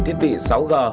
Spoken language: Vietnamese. phát triển thiết bị sáu g